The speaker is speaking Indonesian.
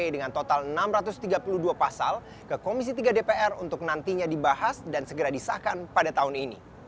dengan total enam ratus tiga puluh dua pasal ke komisi tiga dpr untuk nantinya dibahas dan segera disahkan pada tahun ini